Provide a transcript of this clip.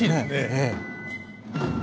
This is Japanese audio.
ええ。